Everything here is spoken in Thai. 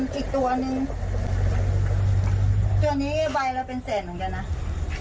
ตัวนี้ใบเราเป็นแสนเหมือนกันนะ